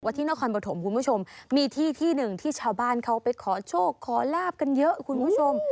ที่นครปฐมคุณผู้ชมมีที่ที่หนึ่งที่ชาวบ้านเขาไปขอโชคขอลาบกันเยอะคุณผู้ชม